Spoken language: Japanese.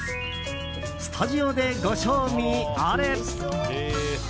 スタジオでご賞味あれ。